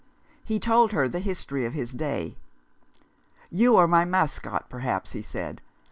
He told her the history of his day. "You are my Mascotte, perhaps," he said.